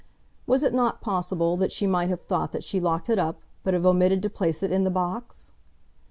Was it not possible that she might have thought that she locked it up, but have omitted to place it in the box?